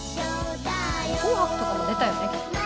『紅白』とかも出たよね。